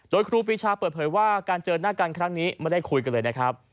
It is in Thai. โดยครูปีชาเปิดเผยว่าการเจอหน้ากันครั้งนี้ไม่ได้คุยกันเลยนะครับ